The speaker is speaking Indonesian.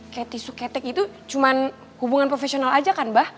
kayak tisu ketek itu cuma hubungan profesional saja kan mbah